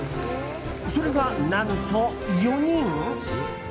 それが何と、４人？